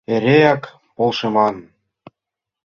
Эреак полшыман.